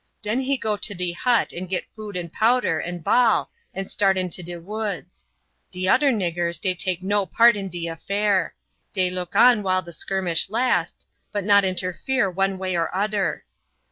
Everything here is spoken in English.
Den he go to de hut and git food and powder and ball and start into de woods. De oder niggers dey take no part in de affair. Dey look on while the skirmish lasts, but not interfere one way or oder.